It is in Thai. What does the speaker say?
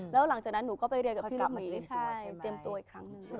แล้วหลังจากนั้นหนูก็ไปเรียนกับพี่ลูกมี